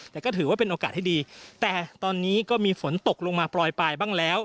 แต่ก็ถือว่าเป็นโอกาสที่ดีแต่ตอนนี้ก็มีฝนตกลงมาปล่อยปลายบ้างแล้ว